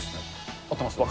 合ってます？